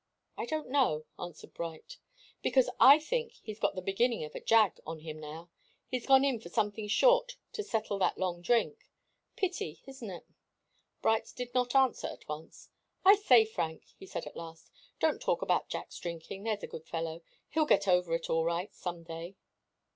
"I don't know," answered Bright. "Because I think he's got the beginning of a 'jag' on him now. He's gone in for something short to settle that long drink. Pity, isn't it?" Bright did not answer at once. "I say, Frank," he said at last, "don't talk about Jack's drinking there's a good fellow. He'll get over it all right, some day."